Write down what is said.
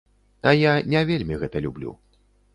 А я не вельмі гэта люблю.